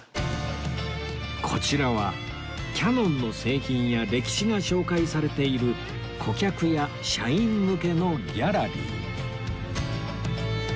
こちらはキヤノンの製品や歴史が紹介されている顧客や社員向けのギャラリー